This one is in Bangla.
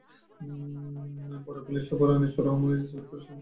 পরে পুলিশ সুপার আনিসুর রহমান ইজিবাইকের সামনে রিফ্লেকটিভ স্টিকার লাগিয়ে দেন।